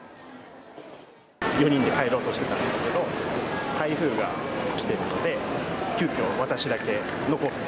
４人で帰ろうとしてたんですけど、台風が来てるので、急きょ、私だけ残って。